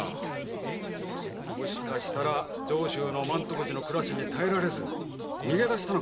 もしかしたら満徳寺の暮らしに耐えられず逃げ出したのかも。